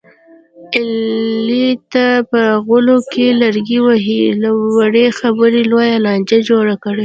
علي تل په غولو کې لرګي وهي، له وړې خبرې لویه لانجه جوړه کړي.